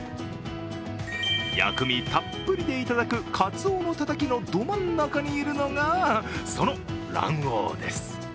薬味たっぷりでいただくかつおのたたきのど真ん中にいるのが、その卵黄です